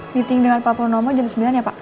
meeting dengan pak purnomo jam sembilan ya pak